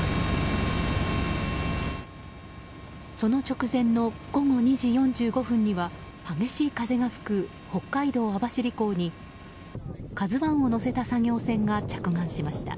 その直前の午後２時４５分には激しい風が吹く北海道網走港に「ＫＡＺＵ１」を載せた作業船が着岸しました。